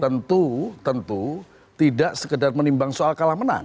tentu tentu tidak sekedar menimbang soal kalah menang